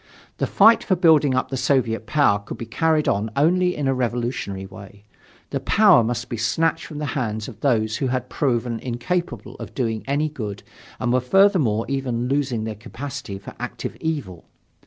The fight for building up the Soviet power could be carried on only in a revolutionary way. The power must be snatched from the hands of those who had proven incapable of doing any good and were furthermore even losing their capacity for active evil.